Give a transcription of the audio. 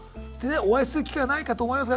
「お会いする機会はないかと思いますが」